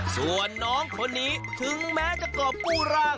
ส่วนน้องคนนี้ถึงแม้จะกรอบกู้ร่าง